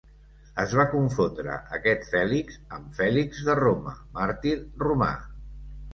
Es va confondre aquest Fèlix amb Fèlix de Roma, màrtir romà.